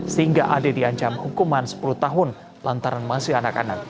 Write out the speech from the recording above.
sehingga ade diancam hukuman sepuluh tahun lantaran masih anak anak